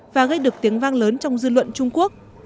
và gây được tiếng vang lớn trong dư luận trung quốc